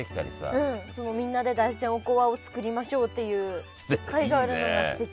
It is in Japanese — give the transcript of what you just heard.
うんみんなで大山おこわを作りましょうっていう会があるのがすてき。